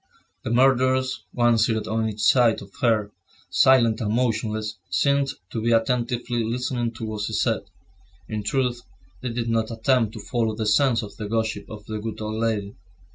The murderers, one seated on each side of her, silent and motionless, seemed to be attentively listening to what she said. In truth they did not attempt to follow the sense of the gossip of the good old lady.